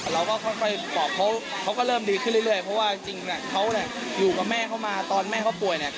เราก็ไปบอกเขาเขาก็เริ่มดีขึ้นเรื่อย